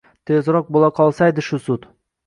Tezroq bo`laqolsaydi shu sud